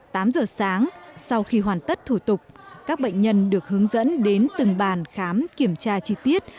tám giờ sáng sau khi hoàn tất thủ tục các bệnh nhân được hướng dẫn đến từng bàn khám kiểm tra chi tiết